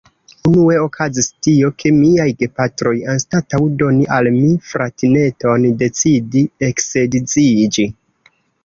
Unue okazis tio, ke miaj gepatroj, anstataŭ doni al mi fratineton, decidis eksedziĝi.